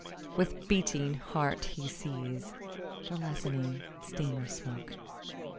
With beating heart he sees The lessening steamer smoke.